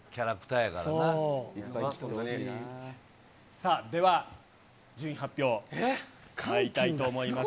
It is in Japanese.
さあ、では順位発表まいりたいと思います。